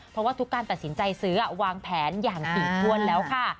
เพราะว่าทุกการตัดสินใจซื้อวางแผนอย่างถี่ถ้วนแล้วค่ะ